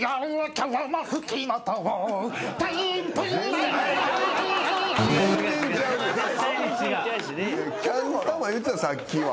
キャン玉言ってたさっきは。